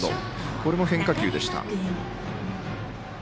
これも変化球でした。